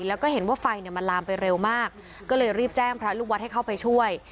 แล้วก็เห็นว่าไฟเนี่ยมันลามไปเร็วมากก็เลยรีบแจ้งพระลูกวัดให้เข้าไปช่วย